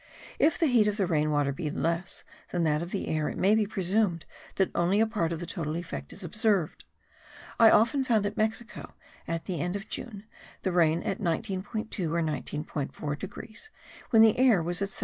If the heat of the rain water be less than that of the air it may be presumed that only a part of the total effect is observed. I often found at Mexico at the end of June, the rain at 19.2 or 19.4 degrees, when the air was at 17.